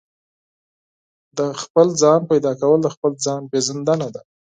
د خپل ځان پيدا کول د خپل ځان پېژندنه ده.